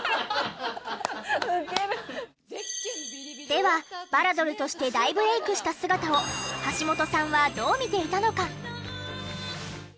ではバラドルとして大ブレイクした姿を橋本さんはどう見ていたのか？